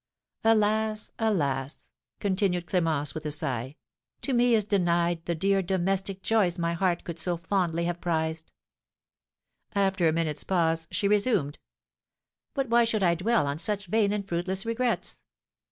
Alas, alas!" continued Clémence, with a sigh, "to me is denied the dear domestic joys my heart could so fondly have prized." After a minute's pause she resumed: "But why should I dwell on such vain and fruitless regrets?